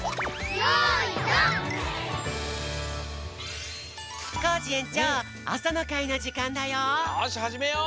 よしはじめよう！